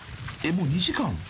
もう２時間？］